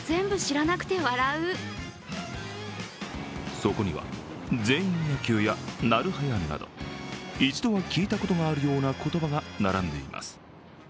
そこには、全員野球やなるはやなど一度は聞いたことがあるような言葉が並んでいます。